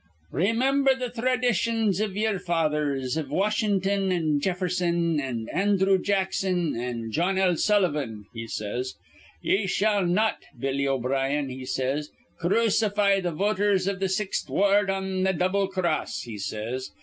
'Raymimber th' thraditions iv ye'er fathers, iv Washin'ton an' Jefferson an' Andhrew Jackson an' John L. Sullivan,' he says. 'Ye shall not, Billy O'Brien,' he says, 'crucify th' voters iv th' Sixth Ward on th' double cross,' he says.